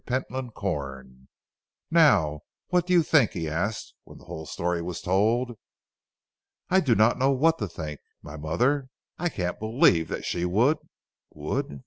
Pentland Corn. "Now what do you think?" he asked when the whole story was told. "I do not know what to think. My mother I can't believe that she would would."